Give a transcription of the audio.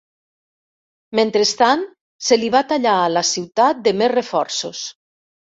Mentrestant, se li va tallar a la ciutat de més reforços.